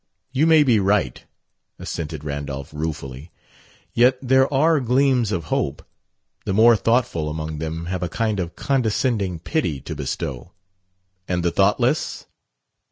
"You may be right," assented Randolph ruefully. "Yet there are gleams of hope. The more thoughtful among them have a kind of condescending pity to bestow " "And the thoughtless?"